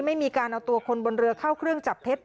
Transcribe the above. ไม่มีการเอาตัวคนบนเรือเข้าเครื่องจับเท็จ